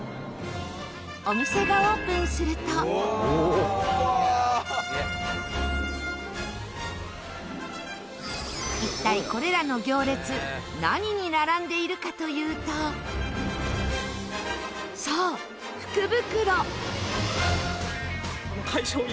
お店がオープンすると一体、これらの行列何に並んでいるかというとそう、福袋！